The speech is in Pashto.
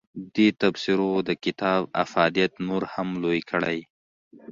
دې تبصرو د کتاب افادیت نور هم لوی کړی.